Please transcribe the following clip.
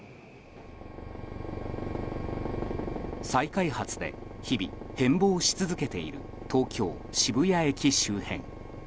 再開発で日々、変貌し続けている東京・渋谷駅周辺。